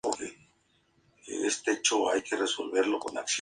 Blackberry Green Tea está disponible actualmente en las Filipinas y Australia.